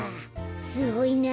すごいな。